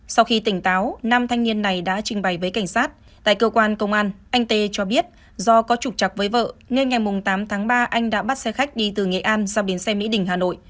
sau khi tỉnh táo nam thanh niên này đã trình bày với cảnh sát tại cơ quan công an anh tê cho biết do có trục chặt với vợ nên ngày tám tháng ba anh đã bắt xe khách đi từ nghệ an sang biến xe mỹ đình hà nội